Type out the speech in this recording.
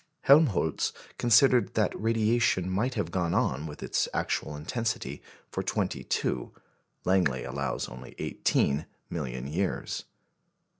Helmholtz considered that radiation might have gone on with its actual intensity for twenty two, Langley allows only eighteen million years.